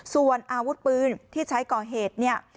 ส่วนอาวุธปืนที่ใช้ก่อเหตุเนี่ย